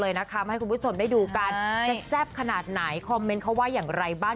เลยนะคะมาให้คุณผู้ชมได้ดูกันจะแซ่บขนาดไหนคอมเมนต์เขาว่าอย่างไรบ้าง